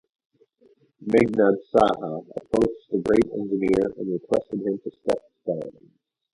Meghnad Saha approached the great engineer and requested him to step down.